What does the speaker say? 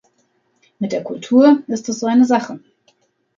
Mit der Kultur ist es so eine Sache.